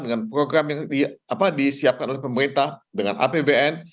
dengan program yang disiapkan oleh pemerintah dengan apbn